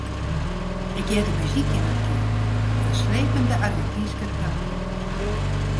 Ik hearde muzyk yn in keamer, in slepende Argentynske tango.